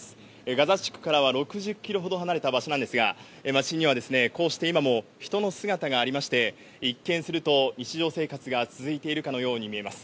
ガザ地区からは６０キロほど離れた場所なんですが、街にはこうして今も、人の姿がありまして、一見すると、日常生活が続いているかのように見えます。